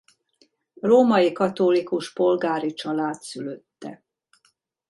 Római katolikus polgári család szülötte.